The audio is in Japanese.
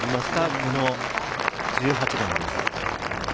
この１８番です。